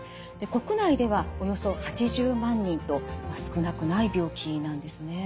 国内ではおよそ８０万人と少なくない病気なんですね。